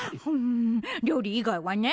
料理以外はね。